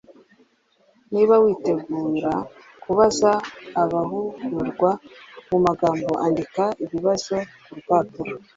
niba witegura kubaza abahugurwa mu magambo andika ibibazo ku rupapuro